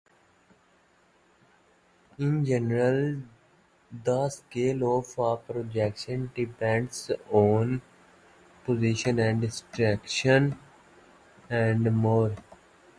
In general the scale of a projection depends on position and direction.